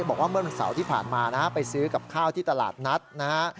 บอกว่าเมื่อวันเสาร์ที่ผ่านมานะฮะไปซื้อกับข้าวที่ตลาดนัดนะฮะ